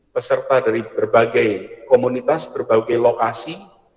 peserta dari berbagai komunitas berbagai lokasi